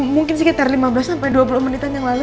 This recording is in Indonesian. mungkin sekitar lima belas sampai dua puluh menitan yang lalu